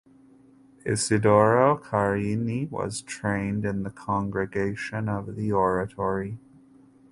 Isidoro Carini was trained in the Congregation of the oratory.